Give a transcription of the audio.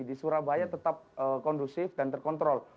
di surabaya tetap kondusif dan terkontrol